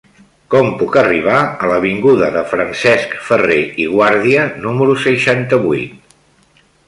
Com puc arribar a l'avinguda de Francesc Ferrer i Guàrdia número seixanta-vuit?